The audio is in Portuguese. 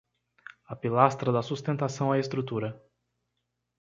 A pilastra dá sustentação à estrutura